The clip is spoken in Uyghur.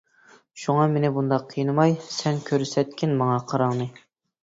شۇڭا مېنى بۇنداق قىينىماي، سەن كۆرسەتكىن ماڭا قاراڭنى.